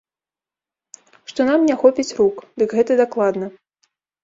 Што нам не хопіць рук, дык гэта дакладна.